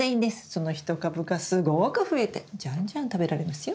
その１株がすごく増えてじゃんじゃん食べられますよ。